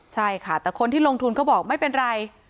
ใช่ค่ะแต่คนที่ลงทุนเขาบอกไม่เป็นไร